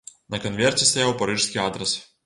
На канверце стаяў парыжскі адрас.